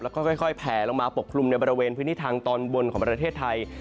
แล้วก็ค่อยแผลลงมาปกคลุมในบริเวณพื้นที่ทางตอนบนของประเทศไทย